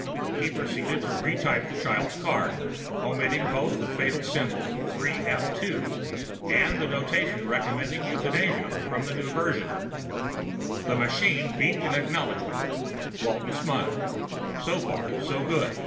_ He proceeded to retype the child's card, omitting both the fatal symbol 3f2 and the notation recommending euthanasia from the new version. The machine beeped an acknowledgement. Walton smiled. So far, so good.